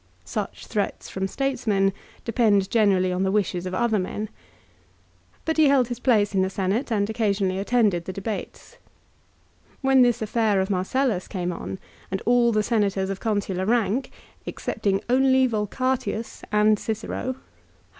Such threats from statesmen depend generally on the wishes of other men. But he held his place in the Senate and occasionally attended the debates. When this affair of Marcellus came on, and all the Senators of Consular rank, excepting only Volcatius and Cicero, had 1 This was Lucius Volcatius Tullus. VOL. It. N 178 LIFE OF CICERO.